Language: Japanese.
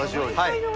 はい。